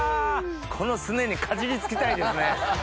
このスネにかじり付きたいですね。